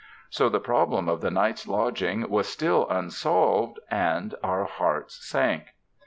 So the problem of the night's lodging was still un solved, and our hearts sank.